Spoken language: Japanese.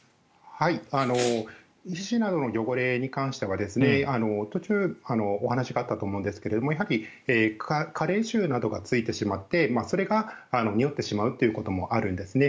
皮脂などの汚れに関しては途中、お話があったと思うんですが加齢臭などがついてしまってそれがにおってしまうこともあるんですね。